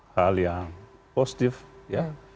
hal yang positif ya